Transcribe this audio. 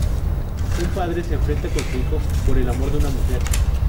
Un padre se enfrenta con su hijo por el amor de una mujer.